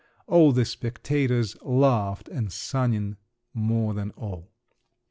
All the spectators laughed, and Sanin more than all.